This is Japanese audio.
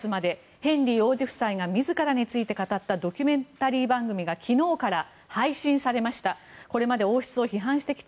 ヘンリー王子夫妻が自らについて語ったドキュメンタリー番組が昨日から配信されました。